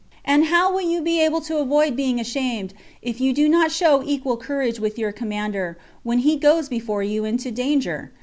And how will you be able to avoid being ashamed, if you do not show equal courage with your commander, when he goes before you into danger?